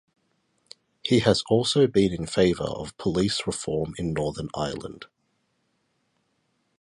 He has also been in favour of police reform in Northern Ireland.